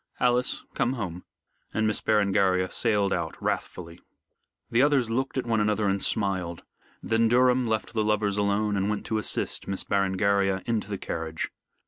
Alice, come home," and Miss Berengaria sailed out wrathfully. The others looked at one another and smiled. Then Durham left the lovers alone and went to assist Miss Berengaria into the carriage.